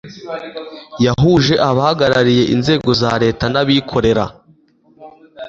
yahuje abahagarariye inzego za leta n abikorera